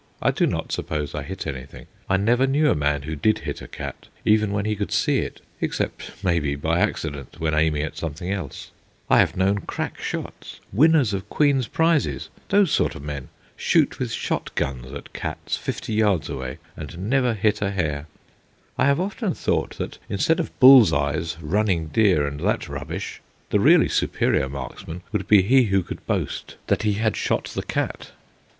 I do not suppose I hit anything; I never knew a man who did hit a cat, even when he could see it, except, maybe, by accident when aiming at something else. I have known crack shots, winners of Queen's prizes those sort of men, shoot with shot guns at cats fifty yards away, and never hit a hair. I have often thought that, instead of bull's eyes, running deer, and that rubbish, the really superior marksman would be he who could boast that he had shot the cat.